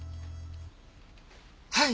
はい。